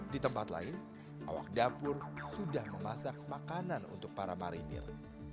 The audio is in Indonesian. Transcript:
di tempat lain awak dapur sudah memasak makanan untuk para marinir